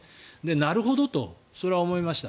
なるほどと、それは思いました。